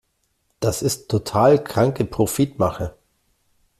Das ist total kranke Profitmache!